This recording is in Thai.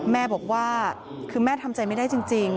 แม่บอกว่าคือแม่ทำใจไม่ได้จริง